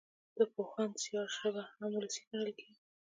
د پوهاند زيار ژبه هم وولسي ګڼل کېږي.